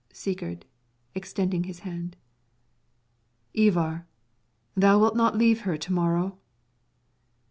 Sigurd [extending his hand] Ivar, thou wilt not leave her to morrow?